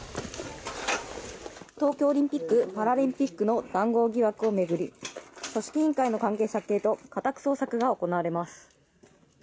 東京オリンピック・パラリンピックの談合疑惑を巡り組織委員会の関係先へ家宅捜索が行われます。